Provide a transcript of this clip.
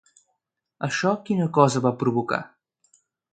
Això quina cosa va provocar?